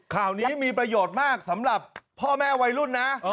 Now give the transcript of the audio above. ข่าวนี้มีประโยชน์มากสำหรับพ่อแม่วัยรุ่นนะ